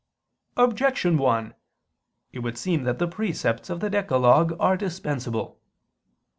Objection 1: It would seem that the precepts of the decalogue are dispensable.